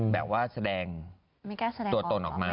แบบว่าแสดงตัวตนออกมา